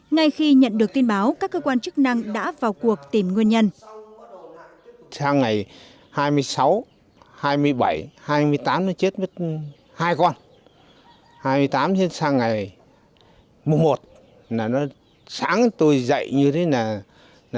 ngay khi nhận được tin báo các cơ quan chức năng đã vào cuộc tìm nguyên nhân